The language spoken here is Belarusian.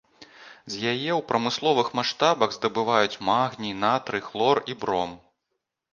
З яе ў прамысловых маштабах здабываюць магній, натрый, хлор і бром.